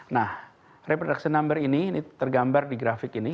nah reproduction number ini tergambar di grafik ini